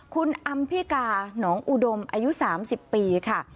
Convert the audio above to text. คุณอำพิกาหนองอุดมอายุ๓๐ปีค่ะ